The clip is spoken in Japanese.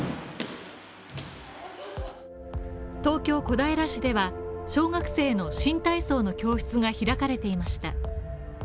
東京・小平市では小学生の新体操の教室が開かれていました。